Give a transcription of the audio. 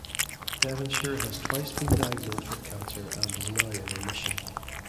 Devonshire has twice been diagnosed with cancer and is now in remission.